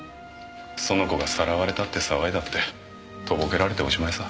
その子がさらわれたって騒いだってとぼけられておしまいさ。